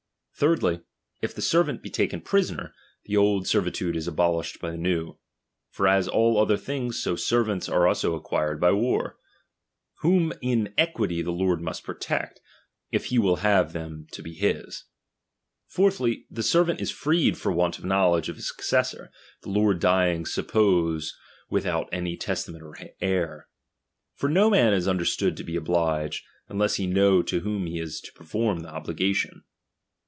Thirdly, if the servant be taken prisoner, the old DOMINION. 113 servitude is abolished by the new j for as all other chap tilings, so servants also are acquired by war, whom ira equity the lord roust protect, if he will have ttiem to be his. Fourthly, the ser\'aDt is freed for "«^^ant of knowledge of a successor, the lord dying C suppose) withont any testament or heir. For no wxzMza is understood to be obliged, unless he tnow fc<Z) whom he is to perform the obligation.